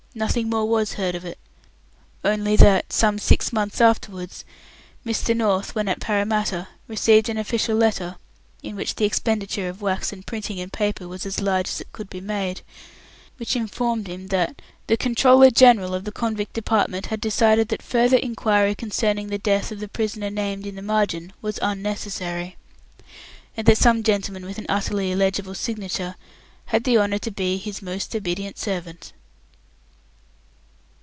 Nothing more was heard of it, only that, some six months afterwards, Mr. North, when at Parramatta, received an official letter (in which the expenditure of wax and printing and paper was as large as it could be made) which informed him that the "Comptroller General of the Convict Department had decided that further inquiry concerning the death of the prisoner named in the margin was unnecessary", and that some gentleman with an utterly illegible signature "had the honour to be his most obedient servant".